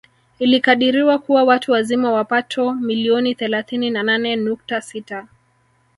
Ilikadiriwa kuwa watu wazima wapato milioni thalathini na nane nukta sita